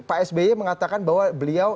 pak sby mengatakan bahwa beliau